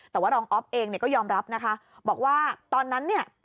แต่ว่ารองอ๊อฟเองเนี่ยก็ยอมรับนะคะบอกว่าตอนนั้นเนี่ย